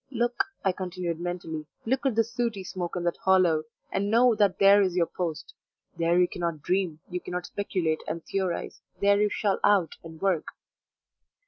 Look!" I continued mentally "Look at the sooty smoke in that hollow, and know that there is your post! There you cannot dream, you cannot speculate and theorize there you shall out and work!"